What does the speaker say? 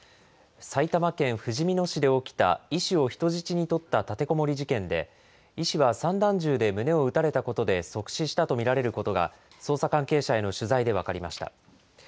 埼玉県ふじみ野市で起きた、医師を人質に取った立てこもり事件で、医師は散弾銃で胸を撃たれたことで即死したと見られることが、捜査関係者への取材で分かりました。